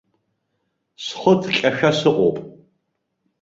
Схы ҭҟьашәа сыҟоуп.